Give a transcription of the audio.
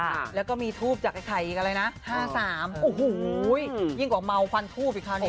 นะแล้วก็มีทูปจากใครอีกอะไรนะห้าสามโอ้โหอุ้ยยิ่งกว่าเมาควรทูปอีกครั้งนี้